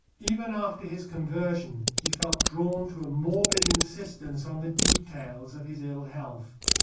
Even after his conversion he felt drawn to a morbid insistence on the details of his ill health.